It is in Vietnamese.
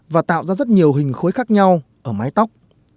và tạo ra rất nhiều hình khối khác nhau ở mái tóc